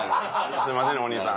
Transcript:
すいませんお兄さん。